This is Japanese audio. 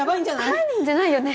犯人じゃないよね？